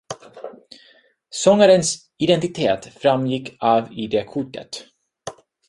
Sångarens identitet framgick av id-kortet